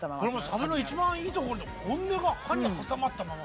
サビの一番いいところで「本音が歯に挟まったまま」。